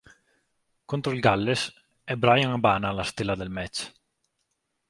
Contro il Galles, è Bryan Habana la stella del match.